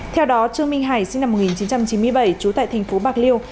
theo đó trương minh hải sinh năm một nghìn chín trăm chín mươi bảy trú tại thành phố bạc liêu